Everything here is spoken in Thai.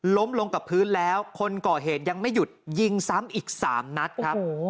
ล้มลงกับพื้นแล้วคนก่อเหตุยังไม่หยุดยิงซ้ำอีก๓นัดครับ